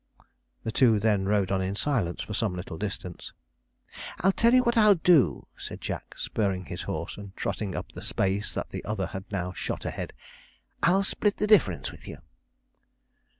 The two then rode on in silence for some little distance. 'I'll tell you what I'll do,' said Jack, spurring his horse, and trotting up the space that the other had now shot ahead. 'I'll split the difference with you!'